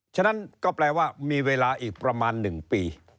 ฉะนั้นก็แปลว่ามีเวลาอีกประมาณ๑ปี